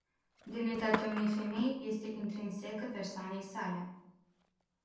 Demnitatea unei femei este intrinsecă persoanei sale.